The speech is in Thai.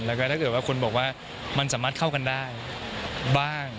แล้วก็ถ้าเกิดว่าคนบอกว่ามันสามารถเข้ากันได้บ้าง